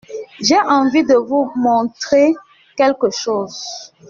J’ai envie de vous montrer quelque chose.